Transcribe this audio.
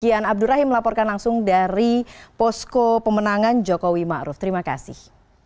kian abdurrahim melaporkan langsung dari posko pemenangan jokowi ma'ruf terima kasih